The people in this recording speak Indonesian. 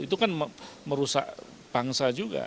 itu kan merusak bangsa juga